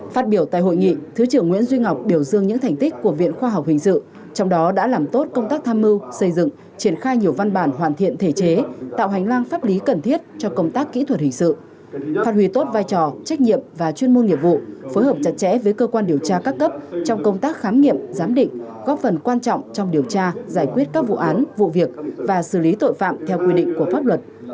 phát biểu tại hội nghị thứ trưởng nguyễn duy ngọc biểu dương những thành tích của viện khoa học hình sự trong đó đã làm tốt công tác tham mưu xây dựng triển khai nhiều văn bản hoàn thiện thể chế tạo hành lang pháp lý cần thiết cho công tác kỹ thuật hình sự phát huy tốt vai trò trách nhiệm và chuyên môn nghiệp vụ phối hợp chặt chẽ với cơ quan điều tra các cấp trong công tác khám nghiệm giám định góp phần quan trọng trong điều tra giải quyết các vụ án vụ việc và xử lý tội phạm theo quy định của pháp luật